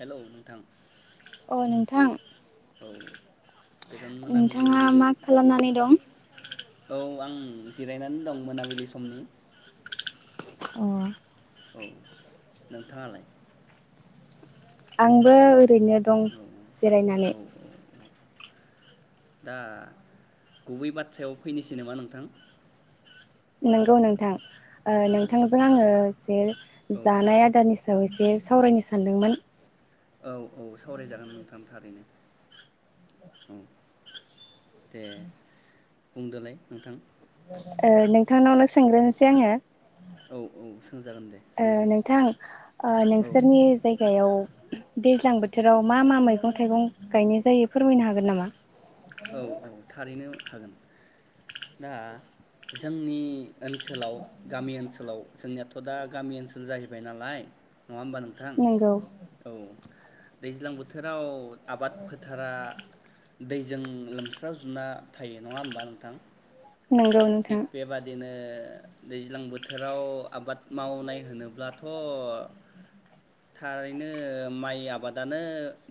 Hello नोंथां अ नोंथां औ गोजोन मोनाबिलिनि नोंथाङा मा खालामनानै दं? औ आं जिरायनानै दं मोनाबिलि समनि। अ औ नोंथाङालाय? आंबो ओरैनो दं औ औ जिरायनानै औ औ औ दा गुबै बाथ्रायाव फैनोसै नामा नोंथां? नंगौ नोंथां ओ औ नोंथांजों आङो जे औ जानाय आदारनि ओ एसे सावरायनो सानदोंमोन औ औ सावरायजागोन नोंथां थारैनो औ दे बुंदोलाय नोंथां। ओ नोंथांनावनो सोंग्रोनोसै आङो। औ औ सोंजागोन दे ओ सोंजायो नोंथां औ नोंसोरनि जायगायाव दैज्लां बोथोराव मा मा मैगं थाइगं गायनाय जायो फोरमायनो हागोन नामा? औ औ थारैनो हागोन दा जोंनि ओनसोलाव गामि ओनसोलाव जोंनियाथ' दा गामि ओनसोल जाहैबाय नालाय नङा होमबा नोंथां नंगौ औ। दैज्लां बोथोराव आबाद फोथारा दै जों लोमस्राव जोबना थायो। नङा होमबा नोंथां? नंगौ नोंथां थिग बेबादिनो ओ दैज्लां बोथोराव आबाद मावनाय होनोब्लाथ' थारैनो माइ आबादानो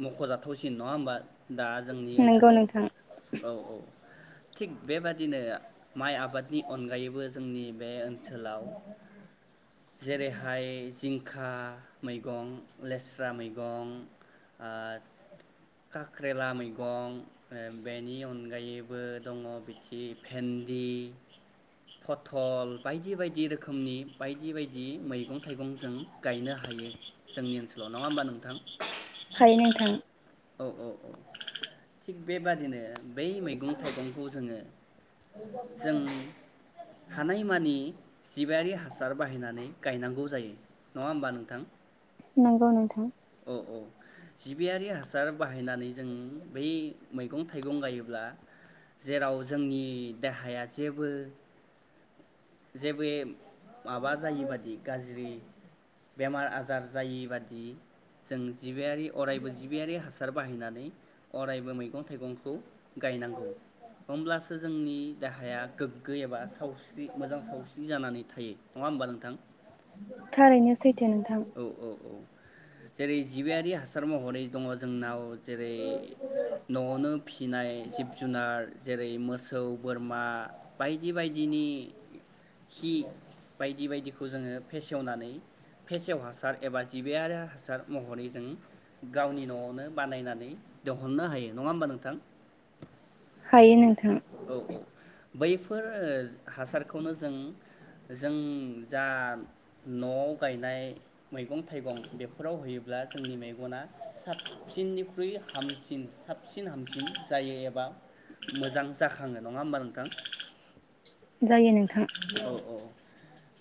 मख'जाथावसिन। नङा होमबा? दा जोंनि नंगौ ओनसोलाव नोंथां औ औ थिग बेबादिनो माइ आबादनि अनगायैबो जोंनि बे ओनसोलाव जेरैहाय जिंखा मैगं, लेस्रा मैगं ओ काख्रेला मैगं बेनि अनगायैबो दङ बिथिं भेन्दि पथल बायदि बायदि रोखोमनि बायदि बायदि मैगं-थाइगं जों गायनो हायो जोंनि ओनसोलाव नङा होमबा नोंथां? हायो नोंथां औ औ औ थिग बेबादिनो बै मैगं थाइगंखौ जोङो जों हानायमानि जिबायारि हासार बाहायनानै गायनांगौ जायो नङा होमबा नोंथां? नंगौ नोंथां औ औ जिबियारि हासार बाहायनानै जों बै मैगं-थाइगं गायोब्ला जेराव जोंनि देहाया जेबो जेबो माबा जायै बादि गाज्रि बेमार आजार जायि बादि। जों जिबियारि अरायबो जिबियारि हासार बाहायनानै अरायबो मैगं-थाइगंखौ गायनांगौ होमब्लासो जोंनि देहाया गोग्गो एबा सावस्रि मोजां सावस्रि जानानै थायो नङा होमबा नोंथां? थारैनो सै औ औ औ जेरै जिबियारि हासार महरै दङ जोंनाव जेरै न'आवनो फिनाय जिब जुनार जेरै मोसौ बोरमा बायदि बायदिनि खि बायदि बायदिखौ जोङो फेसेवनानै फेसेव हासार एबा जिबियारि हासार महरै जों गावनि न'आवनो बानायनानै दहननो हायो नङा होमबा नोंथां? हायो नोंथां औ औ बैफोर हासारखौनो जों जों जा न'आव गायनाय मैगं-थाइगं बेफोराव होयोब्ला जोंनि मेगना साबसिननिख्रुइ हामसिन साबसिन हामसिन जायो एबा मोजां जाखाङो नङा होमबा नोंथां? जायो नोंथां औ [inaudible] औ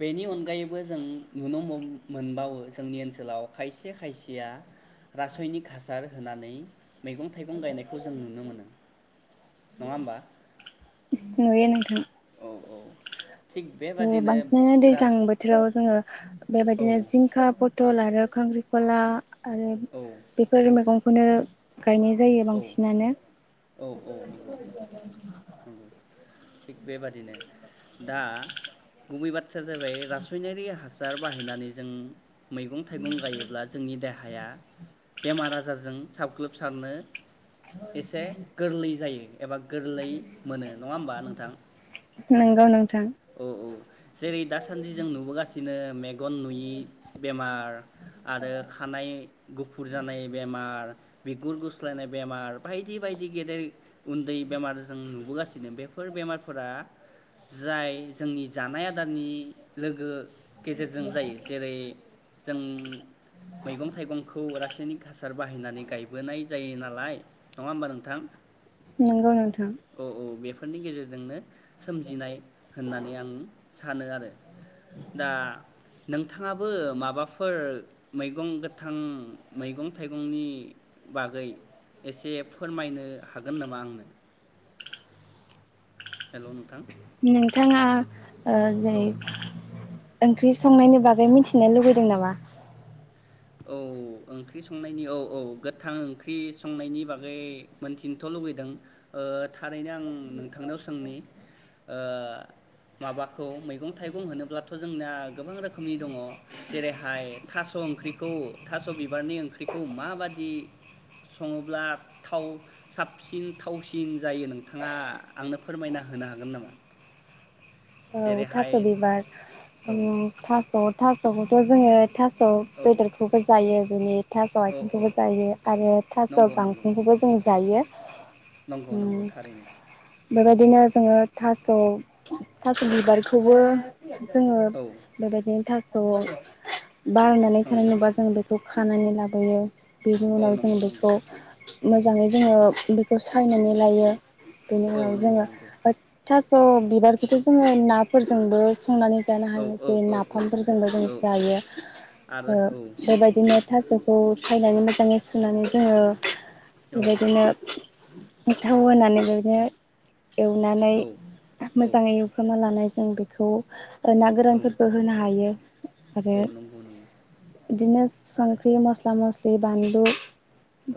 बेनि अनगायैबो जों नुनो मोन मोनबावो जोंनि ओनसोलाव खायसे खायसेया रासायनिक हासार होनानै मैगं थाइगं गायनायखौ जों नुनो मोनो नङा होमबा? नुयो नोंथां औ औ थिग बेबादिनो बांसिनानो दैज्लां राज बोथोराव जोङो औ बेबायदिनो जिंखा प टल आरो खांख्रिखला आरो बेफोर मैगं खौनो गायनाय जायो औ बांसिनानो औ औ नंगौ [inaudible] थिग बेबादिनो दा गुबै बाथ्राया जाबाय रासायनारि हासार बाहायनानै जों मैगं- थाइगं गायोब्ला जोंनि देहाया बेमार आजारजों सागख्लोबसारनो एसे गोरलै जायो एबा गोरलै मोनो नङा होमबा नोंथां? नंगौ नों औ औ जेरै दासानदि जों नुबोगासिनो मेगन नुयि बेमार आरो खानाय गुफुर जानाय बेमार बिगुर गुस्लायनाय बेमार बायदि बायदि गेदेर उनदै बेमार जों नुबोगासिनो बेफोर बेमारफोरा जाय जोंनि जानाय आदारनि लोगो गेजेरजों जायो जेरै जों मैगं-थाइगंखौ रासायनिक हासार बाहायनानै गायबोनाय जायो नालाय नङा होमबा नोंथां? नंगौ नोंथां फोरनि गेजेरजोंनो सोमजिनाय होननानै आं सानो आरो दा नोंथाङाबो माबाफोर मैगं गोथां मैगं-थाइगंनि बागै एसे फोरमायनो हागोन नामा आंनो? हेल' नोंथां नोंथाङा ओ औ जेरै ओंख्रि संनायनि बागै मिथिनो लुबैदों नामा? औ ओंख्रि संनायनि औ औ गोथां ओंख्रि संनायनि बागै मोनथिनोथ' लुबैदों ओ थारैनो आं नोंथांनाव सोंनि ओ माबाखौ मैगं थाइगं होनोब्लाथ' जोंना गोबां रोखोमनि दङ जेरैहाय थास' ओंख्रि खौ थास' बिबारनि ओंख्रिखौ माबादि सङोब्ला थाव साबसिन थावसिन जायो नोंथाङा आंनो फोरमायना होनो हागोन नामा? औ जेरैहाय थास' बिबार औ उम थास' थास'खौथ' जोङो था स' औ बेदरखौबो जायो बिदिनो थास' औ औ आथिंखौबो जायो आरो थास' नंगौ नंगौ गांखंखौबो जों जायो। नंगौ उम नंगौ थारैनो बेबायदिनो जोङो थास' थास' बिबारखौबो जोङो औ बेबायदिनो थास' थ' बारनानै औ थानाय नुबा जों बेखौ खानानै लाबोयो बिनि औ उनाव जों नंगौ नंगौ बेखौ मोजाङै जोङो बेखौ सायनानै लायो बेनि औ उनाव नंगौ जोङो नंगौ अय थास अ बिबारखौथ' जोङो नाफोरजोंबो संनानै जानो औ हायो औ जे औ औ नाफाम फोरजोंबो जों औ औ आरो जायो औ नंगौ बेबायदिनो थास'खौ फायनानै मोजाङै सुनानै जोङो औ बिबायदिनो मथौ होनानै [unintelligible] एवनानै औ औ मोजाङै एव लानाय जों बेखौ ओ ना औ गोरानफोरखौ होनो हायो आरो औ नंगौ नंगौ बिदिनो आरो संख्रि मस्ला मस्लि दै बानलु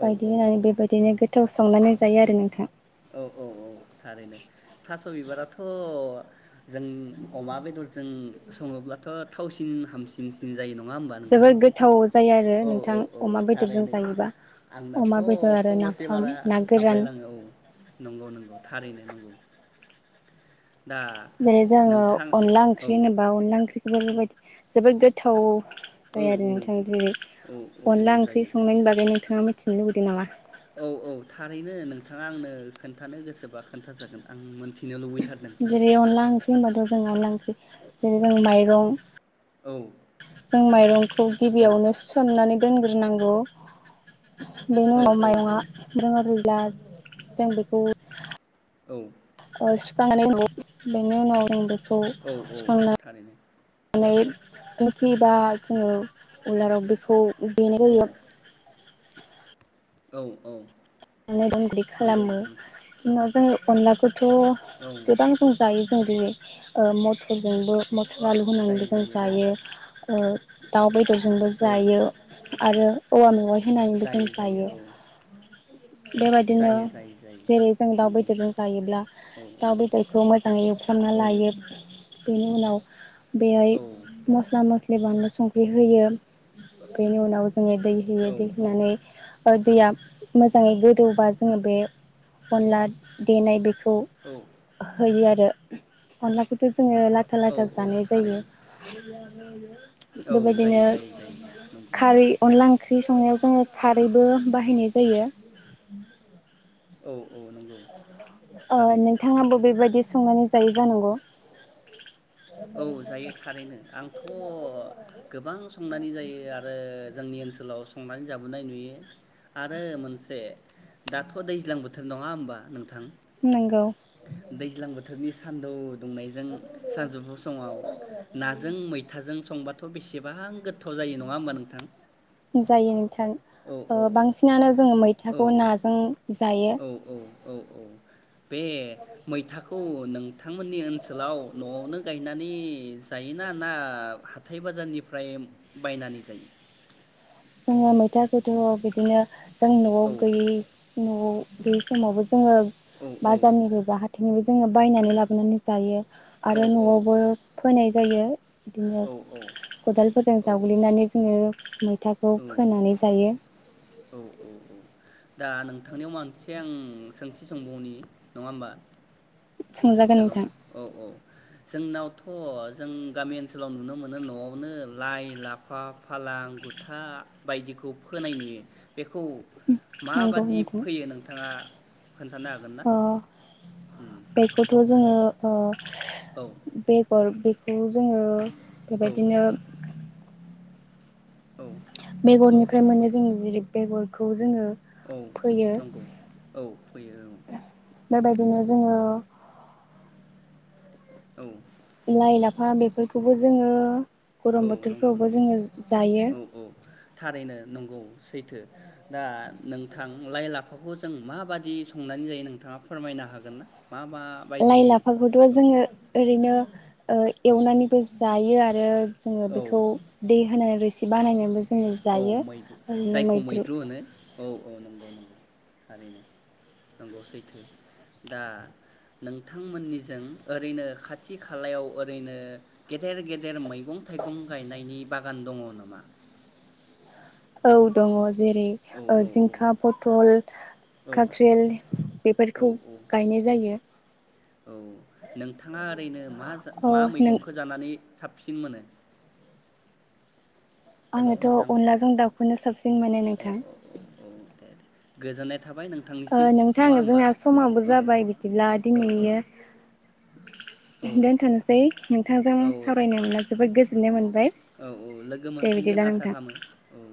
औ औ होननानै बेबायदिनो गो थौ सावनानै जायो आरो नोंथाङा औ औ औ थारैनो थास' बिबाराथ' जों अमा बेदरजों सङोब्लाथ' थावसिन हामसिनसिन जायो न जोबोर गोथाव जायो आरो औ औ नोंथां औ अमा बेदरजों थारैनो जायोबा आंनाथ' अमा बेदर आरो खबसे नाफाम बारा ना गोरान हाबलायलाङो औ नंगौ नंगौ थारैनो नंगौ दा जेरै जोङो नोंथां अनला औ ओंख्रि होनोबा अनला ओंख्रि [unintelligible] जोबोद गोथाव औ जायो आरो नोंथा औ औ [unintelligible] औ अनला ओंख्रि जायो जायो संनायनि बागै नोंथाङा मिथि थिनो लुगैदों नामा? औ औ थारैनो नोंथाङा आंनो खोन्थानो गोसोबा खोन्थाजागोन आं मिनथि जेरै अनला ओंख्रि होनबाथ' जों आलां जेरै जों माइरं औ जों माइरंखौ औ गिबियावनो सोमनानै दोनग्रोनांगौ बेनि उनाव माइरंआ [unintelligible] ब्ला जों बेखौ औ [unintelligible] बेनि उनाव [unintelligible] औ औ थारैनो नै दोनफैबा जोङो उलाराव बेखौ देनाय औ जायो औ औ [unintelligible] नंगौ खालामो नोंथां इनि उनाव जोङो अनलाफोर थ' औ गोबां जों जायो जेरै ओ मटरजोंबो आलु होनानैबो जायो जों औ जायो ओ दाव बेद जोंबो औ जायो आरो औवा मेवाइ होनानैबो जों जायो बेबायदिनो जायो जायो जायो जेरै जों दाउ नंगौ बेदरजों जायोब्ला औ दाउ बेदरखौ मोजाङै एवफ्रना औ लायो बेनि उनाव बेहाय औ मस्ला मस्लि बे बानलु संख्रि होयो बेनि उनाव जोने दै होयो औ दै होनानै ओ‌‌ दैया मोजाङै गोदौबा जोङो बे अनला देनाय बेखौ औ खौ होयो आरो अनलाखौ ओ लाथा औ लाथा औ जानाय जायो थारैनो [inaudible] औ बेबायदिनो जायो जायो जायो जायो नंगौ खारै अनला ओंख्रि संनायाव जोङो खारैबो बाहायनाय जायो औ औ नंगौ ओ‌ थारैनो नोंथाङाबो बेबायदि संनानै जायै जानांगौ औ जायो थारैनो आंथ' गोबां संनानै जायो आरो जोंनि ओनसोलाव संनानै जाबोनाय नुयो आरो मोनसे दाथ' दैज्लां बोथोर नङा होमबा नोंथां? नंगौ दैज्लां बोथोरनि सान्दुं दुंनायजों सानजौफु समाव नाजों मैथाजों संबाथ' बेसेबां गोथाव जायो नङा होमबा नोंथां? जायो [unintelligible] औ ओ औ बांसिनानो जोङो औ मैथाखौ नाजों जायो। औ औ औ औ बे मैथाखौ नोंथांमोननि ओनसोलाव न'आवनो गायनानै जायोना ना हाथाय बाजारनिफ्राय बायनानै जायो? जोङो मैथा खोथ' बिदिनो जों न'आव औ गैयि न'आव बे समावबो जोङो औ औ बाजारनिफ्राय बाहाय बिदिनो जोङो बायनानै लाबोनानै जायो आरो औ औ न'आवबो फोनाय जायो बिदिनो खदालफोरजों औ जावग्लिनानै जोङो [unintelligible] फिथाखौ औ फोनानै जायो औ दा नोंथांनियाव मोनसे आं सोंथि सोंबावनि नङा होमबा? संजागोन हेल' नोंथां औ औ जोंनावथ' जों गामि ओनसोलाव नुनो मोनो न'आवनो लाइ लाफा फालां गुथा बायदिखौ फोनाय नुयो बेखौ नंगौ माबादि नोंथां फैयो नोंथाङा खोन्थानो हागोन ना? अ बेखौथ' जोङो ओ औ बेगर बे खौ जोङो औ बेबायदिनो औ हेल' बेगरनिफ्राय मोनो जोंनि बेगरखौ जोङो औ फोयो नंगौ औ फोयो औ बेबायदिनो जोङो औ लाइ लाफा बेफोरखौबो जोङो गरम औ नंगौ बोथोरफ्रावबो नंगौ जोङो जायो औ औ थारैनो नंगौ सैथो दा नोंथां लाइ लाफाखौ जों माबाददि संनानै जायो नोंथाङा फोरमायनो हागोन ना मा मा बायदि लाइ लाफाखौथ' औ जोङो ओरैनो ओ औ एवनानैबो जायो आरो आरो जोङो औ बेखौ दै होनानै रोसि बानायनाबो औ मैद्रु जायखौ मैद्रु होनो औ औ नंगौ [unintelligible] नंगौ सैथो दा नोंथांमोननिजों ओरैनो खाथि खालायाव ओरैनो गेदेर गेदेर मैगं थाइगं गायनायनि बागान दङ नामा औ दङ जेरै औ ओ औ जिंखा पथल औ खाख्रेल औ बेफोरखौ औ गायनाय जायो औ नोंथाङा ओरैनो मा जा अ मा नों मैगंखौ जानानै साब सिन मोनो हेल' आङोथ' नोंथां अनलाजों दाउखौनो साबसिन मोनो औ नोंथां औ औ औ दे दे गोजोननाय थाबाय ओ नोंथांनिसिम नोंथां नङा होमबा जोंना समावबो औ जाबाय बिदिब्ला औ औ दिनैयो औ दोनथ'नसै नोंथांजों औ सावरायनो मोना जोबोद गोजोननाय मोनबाय औ औ लोगो दे मोनफिनगोन बिदिब्ला आसा नोंथां खालामो औ